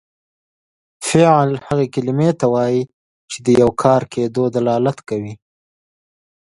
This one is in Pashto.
فعل هغې کلمې ته وایي چې د یو کار کیدو دلالت کوي.